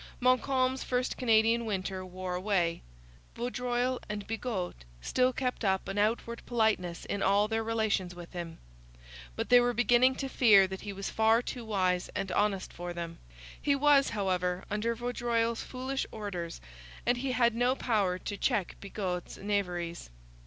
Montcalm's first Canadian winter wore away. Vaudreuil and Bigot still kept up an outward politeness in all their relations with him. But they were beginning to fear that he was far too wise and honest for them. He was, however, under Vaudreuil's foolish orders and he had no power to check Bigot's knaveries.